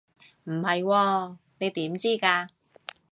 唔係喎，你點知㗎？